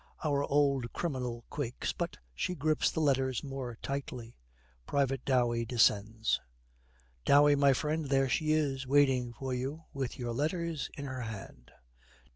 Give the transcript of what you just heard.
Our old criminal quakes, but she grips the letters more tightly. Private Dowey descends. 'Dowey, my friend, there she is, waiting for you, with your letters in her hand.'